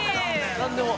何でも。